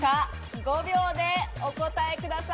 ５秒でお答えください。